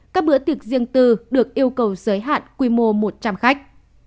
các bữa tiệc riêng tư được yêu cầu giới hạn quy mô một trăm linh khách